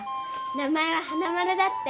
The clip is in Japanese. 名前は花丸だって。